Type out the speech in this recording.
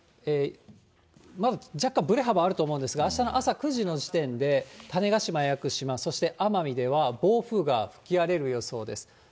まず、若干ぶれ幅あると思うんですが、あしたの朝９時の時点で、種子島、屋久島、そして奄美では、暴風が吹き荒れる予想です。